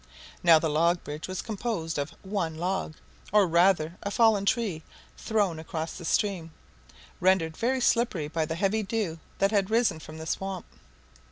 Now, the log bridge was composed of one log, or rather a fallen tree, thrown across the stream, rendered very slippery by the heavy dew that had risen from the swamp.